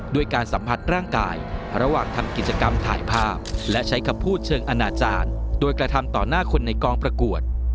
ด้วยการสัมผัสร่างกายระหว่างทำกิจกรรมถ่ายภาพและใช้คำพูดเชิงอนาจารย์โดยกระทำต่อหน้าคนในกองประกวด